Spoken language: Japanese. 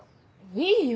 いいよ